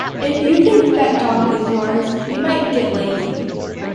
If you think that job is yours, you might get lazy.